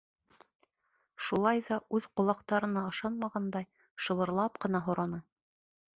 Шулай ҙа, үҙ ҡолаҡтарына ышанмағандай, шыбырлап ҡына һораны: